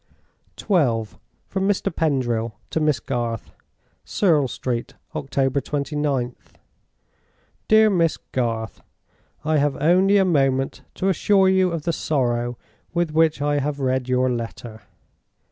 XII. From Mr. Pendril to Miss Garth. "Serle Street, October 29th. "DEAR MISS GARTH, "I have only a moment to assure you of the sorrow with which I have read your letter.